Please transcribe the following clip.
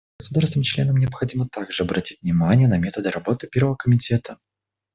Государствам-членам необходимо также обратить внимание на методы работы Первого комитета.